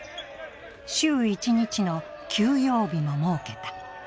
週１日の休養日も設けた。